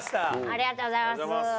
ありがとうございます。